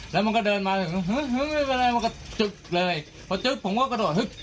แล้วมันก็เดินมามันก็จึ๊บเลยพอจึ๊บผมก็กระโดด